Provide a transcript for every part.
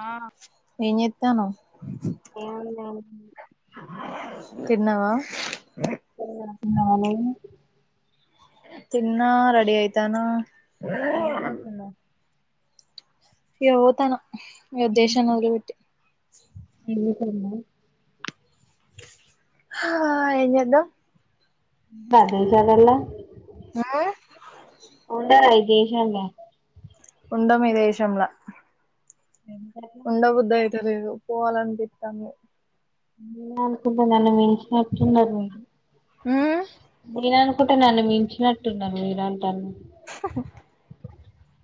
ఆ ఏం చేత్తానవ్ తిన్నవా [inaudible] నాలోనే తిన్నా రెడి అయితానా ఎడికిపోతున్నవ్ ఇకపోతానా ఈ దేశాన్ని వదిలి పెట్టి ఏం చేత్తాన్నవ [unintelligible] ఆ ఎం చేద్దాం ప్రదజదలా [unintelligible] ఆ దే న్లల్ల [unintelligible] ఉండం ఈ దేశంలొ నేను ఉండబుద్దయితలే తెలీదుపోవాలని పిస్తాంది. అనుకుంటుందరు నన్ను మించి నట్టునరు మీరు మీనా [unintelligible] ఒక్కటి నన్ను మించినట్టున్నరు మీరు అంటను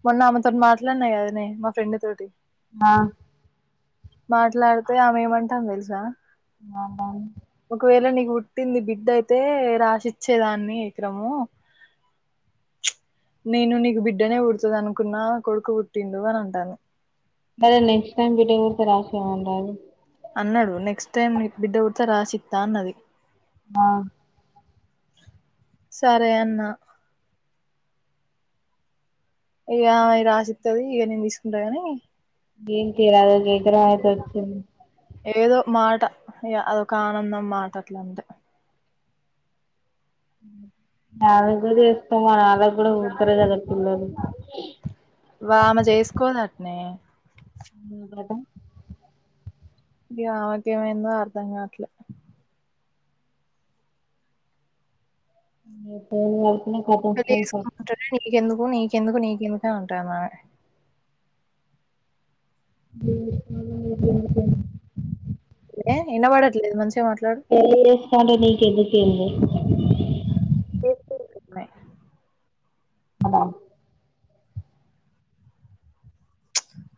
మొన్న ఆమెతోటి మాట్లాడినాగదనే మా ఫ్రెండ్ తోటి ఆ మాట్లాడితే ఆమెమంటాందొ తెలుసా ఆ ఒకవేళ నీకు పుట్టింది బిడ్డ అయితే రాసిచ్చేదాన్ని ఎకరము నేను నీకు బిడ్డనే పుడతది అనుకున్నా కొడుకు పుట్టిండు అని అంటాను మరి నెక్ట్ టైమ్ బిడ్డ పెడితే రాసీమనరాదు అన్నాడు నెక్ట్ టైమ్ నీకు బిడ్డ పుడితేరాసిత్తా అన్నది ఆ సరే అన్న ఇక ఇ రాసిత్తది ఇక నేను తీసుకుంటగాని ఏం తీరదు గ ఎకరం అయితే వచ్చింది ఏదో మాట ఇక అదొక ఆనందం మాట అట్లా అంటే న కూడా చేస్తాం మరి వాళ్లకు కూడా పుడతారు కదా పిల్లలు ఆమె చేసుకోదట్నే అదా [unintelligible] ఇక ఆమేకేమైందో అర్థం కాట్లే పేర్లు నీకెందుకు నీకెందుకు నీకు కను ఉట్టాన్న [unintelligible] పెళ్లి ఎం వినపడట్లేదు మంచిగా మాట్లా పెళ్లి రేస్పామ్డ్ నీ కేందుకే ఏంబ [unintelligible] ే [unintelligible] అద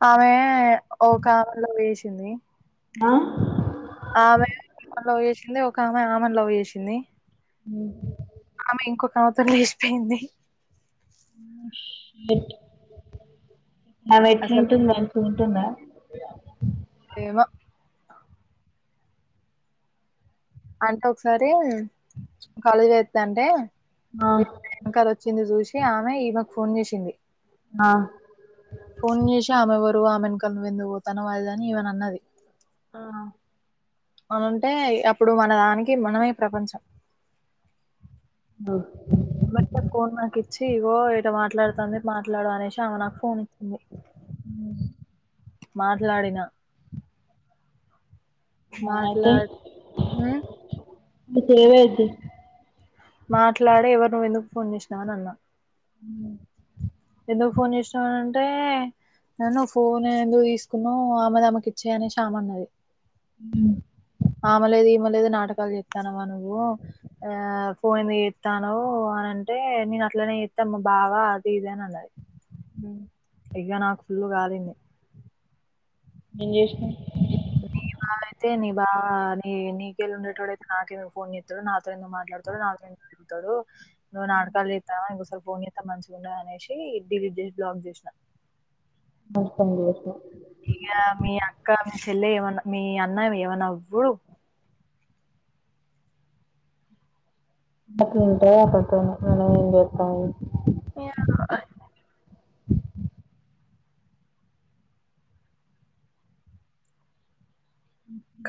ఆమె ఓ కామలో వేసింది ఆ ఆమెలో [unintelligible] చేేసింది ఒక ఆమె ఆమెను లవ్ చేేసింది ఊ కావోతే లేచిపోయింది [inaudible] నావి అసలు ఎట్లుంటుంది [inaudible] ఉంటుందా ఏమో అంటే ఒకసారి కాలేజ్ [inaudible] త్తాంటే ఆ, [inaudible] వెనకాల వచ్చింది చూసి ఆమె ఈమె ఫోన్ చేసింది ఆ ఫోన్ చేసి ఆమె ఎవరు ఆమె ఎనుకల నువ్వెందుకు పోతానావ్ అది ఇది అని ఈవెను అన్నది ఆ అని టే అప్పుడు మన దానికి మనమే ప్రపంచం [unintelligible] బట్ ఆ ఫోన్ నాకు ఇచ్చి ఇగో ఇట మాట్లాడుతఆంది మాట్లాడు అనేసి ఆమె నాకు ఫోన్ ఇచ్చింది మాట్లాడినా ఆ, మాట్లా ఊ ఇప్పుడేవైద్ది మాట్లాడి ఎవరు నువ్వు ఎందుకు ఫోన్ చేసినావ్ అని అన్నా ఊ ఎందుకు ఫోన్ చేసినావ్ అని అంటే నన్ను ఫోన్ ఎందుకు తీసుకున్నావ్ ఆమెది ఆమెకి ఇచ్చేయ్ అనేసి ఆమె అన్నది ఊ ఆమె లేదు ఈమె లేదు నాటకాలు చేత్తానావా నువ్వు ఆ ఫోన్ చేత్తానావ్ అని‌అంటే నేను అట్లనే చేత్తాం మా బావ అది ఇది అని అన్నది ఊ ఇగ నాకు ఫుల్లు గాలింది ఏం చేషినా నీ బా [inaudible] అయితే నీ బావ నీ నీకేళ్ళి ఉండేటోడు అయితే నాకెందుకు ఫోన్ చేత్తాడు నా తో ఎందుకు మాట్లాడుతారు నాతో [inaudible] తడు నువ్ నాటకాలు జేత్తావా ఇంకోసారి ఫోన్ జేస్తే మంచిగుండదు అనేసి డిలీట్ చేసి బ్లాగ్ చేసినా మంచి పని చేసినావ్ ఇగ మీ అక్క మీ చెల్లె ఏమన్నా మీ అన్నవి ఏవ నవ్వు [inaudible] మనం ఏం చేత్తాం లే [unintelligible]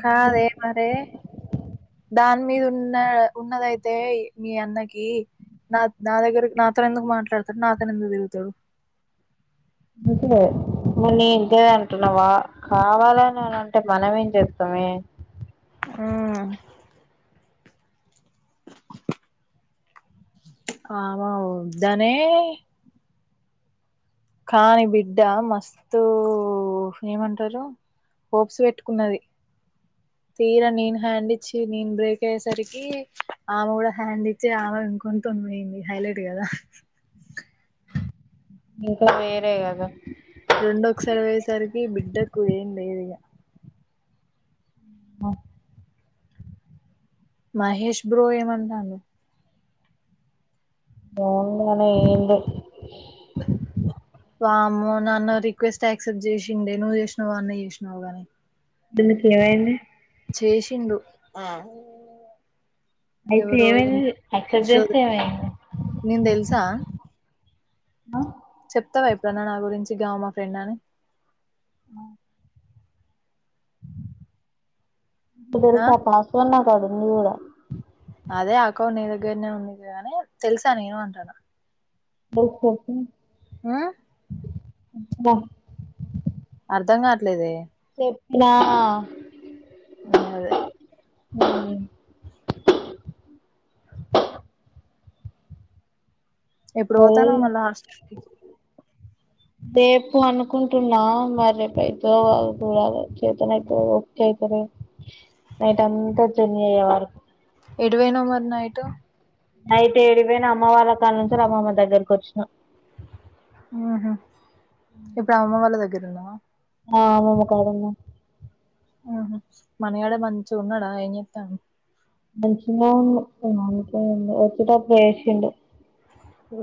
కాదే మరే దాని మీద ఉన్న ఉన్నదైతే మీ అన్నకి నా నా దగ్గర నాతోని ఎందుకు మాట్లాడుతాడు నాతోని ఎందుకు తిరుగుతాడు [inaudible] నువ్ నీ ఇంతే అంటున్నావా కావాలని అని అంటే మనమేం చెప్తామే ఊ ఆమె వద్దనే కానీ బిడ్డ మస్తు ఏమంటారు హోప్స్ పెట్టుకున్నది తీరా నేను హ్యాండ్ ఇచ్చి నేను బ్రేక్ అయ్యేసరికి ఆమె కూడా హ్యాండ్ ఇచ్చి ఆమె ఇంకోని తోని పోయింది హైలైట్ కదా ఇంక వేరే గదా కు ఏం లేేదు ఇగ ఉమ్ ఆ మహేష్ బ్రో ఏమంటాండు ఏం ఉంది గానీ ఏం లే వామ్మో నన్ను రిక్వెస్ట్ ఆక్సెప్ట్ జేసిండే, నువు జెసినావ అన్న జేసినవ్ గాని. దీనికేమైంది? చేేషిండు ఆ అయితే ఏమైంది? యాక్సెప్ట్ జేస్తే ఏమైంది? నేను తెలుసా ఆ చెప్తాడా ఎప్పుడన్న నా గురించి, గామ మా ఫ్రెండ్ అని? ఆ నిక్ ఆ దెల్సా [unintelligible] పడింది గూడ. అదే అకౌంట్ నీ దగ్గర్నే ఉందిగా అని తెలుసా నేను అంటాన? [unintelligible] ఆ దా అర్థం కాట్లేదే. ట్టినా అదే ఉమ్ ఎప్పుడు పోతానవ్ మళ్ళ హాస్టల్ కి? రేపు అనుకుంటున్నా, మరి రేపు అయితదో కాదో చూడాలె. చేతనైతె ఓకె ఇపుడు, నైట్ అంతా జర్ని అయ్యేవారుకు. ఎడుపోయినవ్ మరి నైటు? నైట్ ఏడికి పోయిన? అమ్మ వాళ్ళ కానున్చెల్ అమ్మమ్మ దగ్గరకొచ్చిన. ఉ హు ఇప్పుడు అమ్మమ్మ వాళ్ళ దగ్గ [unintelligible] ఆ అమ్మమ్మ కాడున్నా. ఆ హ మనిగాడు మంచిగున్నడా? ఏం జెత్తాండు? మంచిన్నే వుండు వానికేమైంది, వచ్చేటప్పుడు ఎడ్షిండు.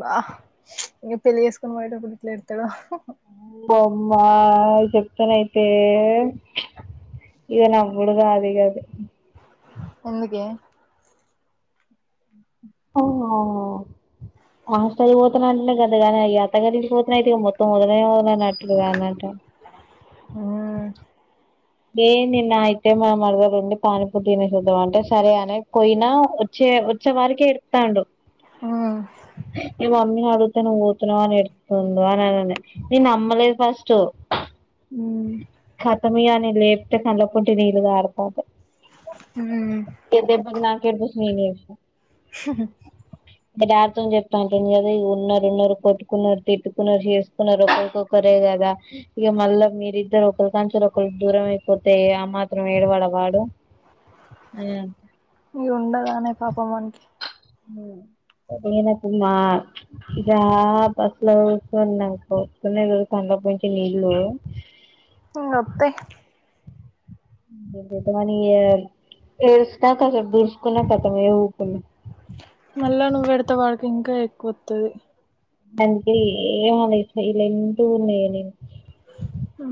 భా ఇగ పెళ్ళి జేస్కొని పోయేటప్పుడు ఎట్లేడ్తడో? బొమ్మా చెప్తెనయితే, ఇక నవ్వుడు గాదిగ అది. ఎందుకే? వామ్మో హాస్టల్ పోతనంటనే గంతగనం, ఇగ అత్త గారింటికి పోతనైతే ఇగ మొత్తం వదలనే వదల్ లనట్లుగా ఉమ్ [unintelligible] ఏం తిన్న, అయితే మా మరదలుండి పానీపూరి తినేసోద్ధం అంటే సరే అని పోయినా, వచ్చే వచ్చే వారికి ఎడుత్తాండు. ఉమ్ మీ మమ్మీ గా పోతె నువ్ పోతున్నవా అని ఎడుత్తుండు, [unintelligible] నేన్ నమ్మలేదు ఫస్ట్. ఉమ్ ఖత్తమిగా నేన్ లేపితే కల్ల పొంటి నీళ్లుగార్తానాయ్. ఉమ్ [unintelligible] ఏడుపు చూసి నాకెడ్పొస్ నేనెద్షిన హా హా మి డాడ్తోని జెప్తా అంటుంది గద ఇగ ఉన్నరు ఉన్నరు కొట్టుకున్నార్, తిట్టుకున్నార్, చేసుకున్నార్ ఒకరికొకరే గదా, ఇగ మళ్ళా మీరిద్దరు ఒకరుకాన్చెలి ఒకరు దూరం అయిపోతే, ఆ మాత్రం ఏడవడ వాడు? ఈ ఉండదానే పాపమ్మనకి అ నే నాకు మా ఇ బస్లో చ నాకు వనే కద తండపోంచి నీళ్ళు మత్తే రి ఎర్స్ నా స దూర్స్కు నా త ఎ మళ్ళా నువ్వు పెడతే వాడికి ఇంకా ఎక్కువ వతుది అందుకే ఏమ లేస ఇలా ఎంటూ ఉన్నా నేను ఆ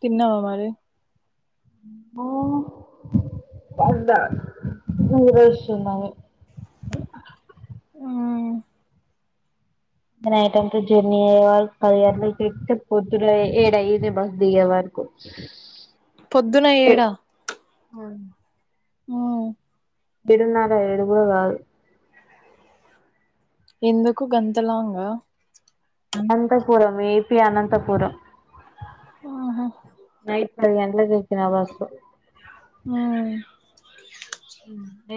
కన్నావా మరి ఆ అంట నిరషంన్నా ఆ టంత జర్నీ అయేవ కళలోతే పొద్దురు ఏడయిద బస్ దిగే వరకు పొద్దున ఏడా ఉవు ఇడున్నాడ ఎడుగు కాదు ఎందుకు గంతలాంగా అనంతపురం ఏపీ అనంతపురం ఆహా ఎంత కేకినా వాస ఆ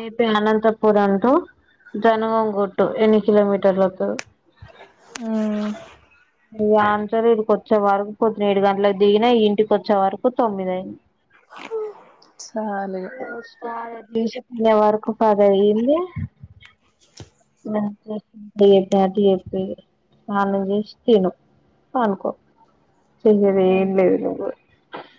ఏ అనంతపూర్ అంటూ జనగంగటు ఎన్ని కిలోమీటర్లలకు ఆ ఆన్సర్ ఇడికి వచ్చే వరకు పద్ ఏడు గంటలకు దిగినా ఇంటికి వచ్చే వరకు తొమ్మిదియింది చాలిగా చసి పల్లే వరకు పద అయిందింట చెప్ప స్నానం చేసి తిను అనుకో చేయను ఏమి అంతే లేదు నాకు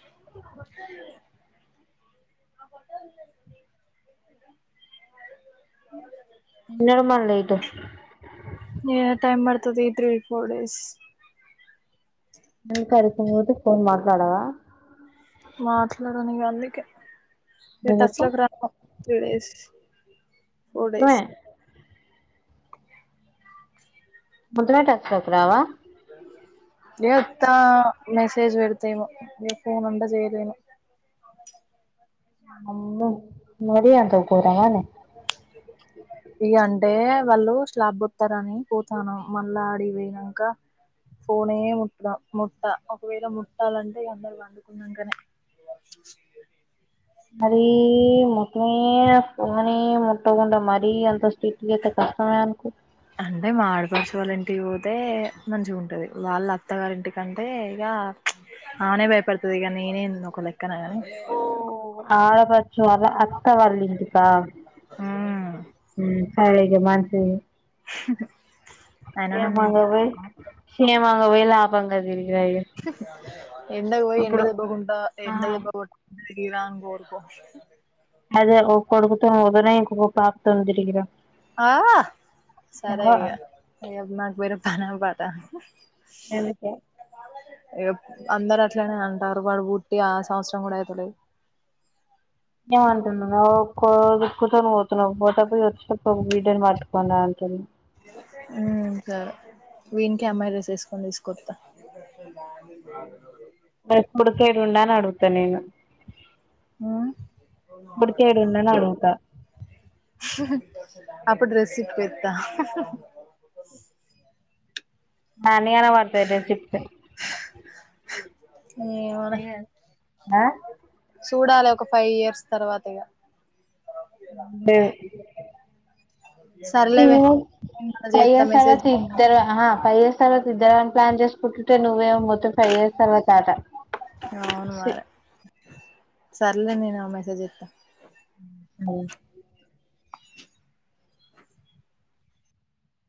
[inaudible] ఎన్నడు మన ఇటు ఏ టైమ్ పడతాది త్రీ ఫోర్ డేస్ [unintelligible] ఫోన్ మాట్లాడవా మాట్లాడండి అందుకే ఇ టచ్ ఎందుకు లోకి రా గడష్ ఫోర్ మొత్తమే డేస్ ముదటక్షకరావా [unintelligible] ఇ ఎత్తా మెసేజ్ పెడుతేను ఫోన్ ఉంద చేయదే అమ్ మర అంతావు పోరామనే ఈ అంట అంటే వాళ్ళు స్లాబ్ వస్తారని పోతాను, మళ్ళా ఆడి పోనాక ఫోనే ముట్టడం ముట్ట ఒకవేళ ముట్టాలంటే అందరు వండుకున్నాకనే మరి మొట్టమ అనీ ముట్టకుండా మరి అంత తే కస్తమకు ఇంటి పోతే మంచి ఉంటది, వాళ్ళ అత్తగారి ఇంటికంటే ఇక ఆనే భయపడుతుంది ఇక నేనే ఒక లెక్క ఎక్కన శ్వరా అక్క వాళ్ళ ఇంటికా. ఉమ్ ఊమ్. సరే ఇగ మంచిది. అయినా ఏ నన్ను ఏం మాంగ భాయ్. షేమంగా పోయి లాభంగా తిరిగి. ఎండకు పోయి ఎండ ఇప్పుడు దెబ్బ గుంట ఆ ఎండ దెబ్బ కొ. [unintelligible] అదే ఓ కొడుకుతో వదిలేయ్ ఇంకో పాప్తో తిరిగి రా. [unintelligible] [inaudible] ఎందుకో. అందరు అట్లనే అంటార్రు వాడు వుట్టి ఆ సంవత్సరం కూడా అయితలేదు. ఏమంటుంన్నదా ఒ కొడుకుతోని పోతున్నావ్ పోటో దిగి వచ్చి పాపం బిడ్డని పట్టుకోని రా అంటుంది. ఊమ్ సరే. వీనికె అమ్మాయి డ్రెస్ ఏసుకొని తీసుకో. కొత్త. పేప్పు ఉడుకేదుండా అని అడుగు. తనేనా. అ. అని అడుగుతా అప్పుడు రెసిప్ పెతా. ఆ అన్ని గణం వర్తాయి బెసషిప్ పె. ఆ సూడాలె ఒక ఫైయి ఇయర్స్. తర్వాత ఇగా. టే. సర్లేవే నేను మళ్ళ చేత్తా మెసేజ్ పోయేసవకు ఇద్దరు హ. ఫైయి ఇయర్స్ తర్వాత ఇద్దరఅని ప్లాన్ చేసుకుంటుంటే నువ్వేమె మొత్తం ఫైయి ఇయర్స్ తర్వాత ఆట. అవును మార. సర్లే నేను మొ మెసేజ్ జెత్త. అవు.